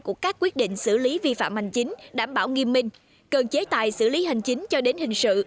của các quyết định xử lý vi phạm hành chính đảm bảo nghiêm minh cần chế tài xử lý hành chính cho đến hình sự